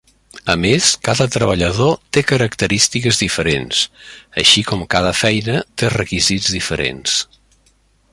A més, cada treballador té característiques diferents, així com cada feina té requisits diferents.